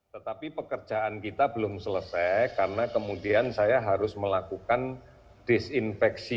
tetapi pekerjaan kita belum selesai karena kemudian saya harus melakukan disinfeksi